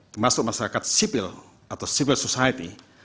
termasuk masyarakat sipil atau civil society